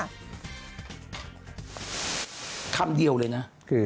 คำเดียวเลยนะ